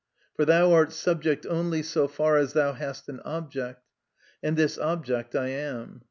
For thou art subject only so far as thou hast an object; and this object I am.